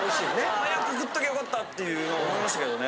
早く食っときゃよかったっていうのを思いましたけどね。